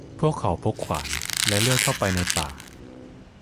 พวกเขาพกขวานและเลื่อยเข้าไปในป่า